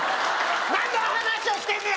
何の話をしてんねや！